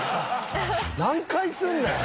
何回すんねん！